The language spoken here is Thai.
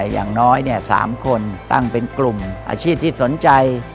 อย่างน้อย๓คนตั้งเป็นกลุ่มอาชีพที่สนใจ